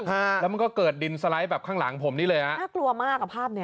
ฮะแล้วมันก็เกิดดินสไลด์แบบข้างหลังผมนี่เลยฮะน่ากลัวมากอ่ะภาพเนี้ย